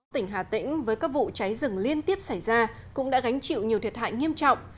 tỉnh hà tĩnh với các vụ cháy rừng liên tiếp xảy ra cũng đã gánh chịu nhiều thiệt hại nghiêm trọng